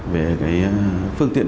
về cái phương tiện